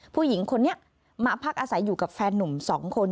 ผู้หญิงคนนี้มาพักอาศัยอยู่กับแฟนนุ่ม๒คน